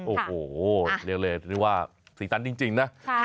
โอ้โหเรียกเลยเรียกว่าสีสันจริงนะ